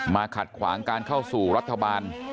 ขัดขวางการเข้าสู่รัฐบาล